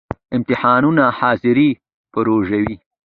امتحانونه، ،حاضری، پروژی